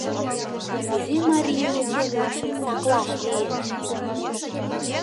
Кузе марийын эсенлыкшым саклаш лиеш?